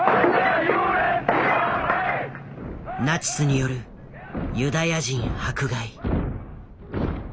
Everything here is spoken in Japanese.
ナチスによるユダヤ人迫害。